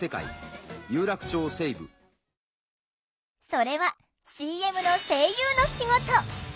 それはＣＭの声優の仕事。